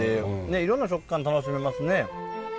いろんな食感楽しめますね。